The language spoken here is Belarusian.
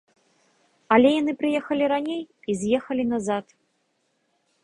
Але яны прыехалі раней і з'ехалі назад.